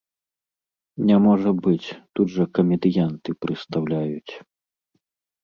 Не можа быць, тут жа камедыянты прыстаўляюць.